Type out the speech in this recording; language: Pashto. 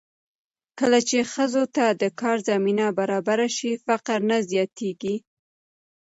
کله چې ښځو ته د کار زمینه برابره شي، فقر نه زیاتېږي.